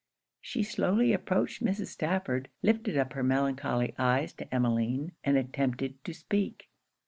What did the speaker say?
She slowly approached Mrs. Stafford, lifted up her melancholy eyes to Emmeline, and attempted to speak.